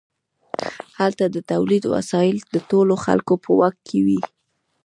هلته د تولید وسایل د ټولو خلکو په واک کې وي.